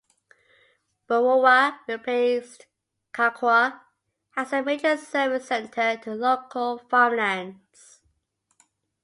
Boorowa replaced Carcoar as the major service centre to local farmlands.